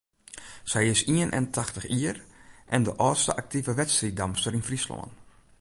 Sy is ien en tachtich jier en de âldste aktive wedstriiddamster yn Fryslân.